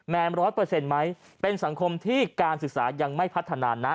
แมมร้อยเปอร์เซ็นต์ไหมเป็นสังคมที่การศึกษายังไม่พัฒนานะ